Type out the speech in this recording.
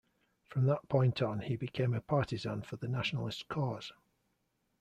From that point on he became a partisan for the nationalist cause.